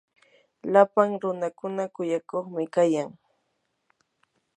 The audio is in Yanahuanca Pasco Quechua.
lapan runakuna kuyakuqi kayan.